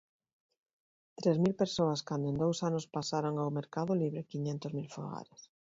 Tres mil persoas cando en dous anos pasaron ao mercado libre quiñentos mil fogares.